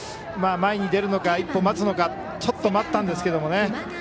前に出るのか、一歩待つのかちょっと待ったんですけどね。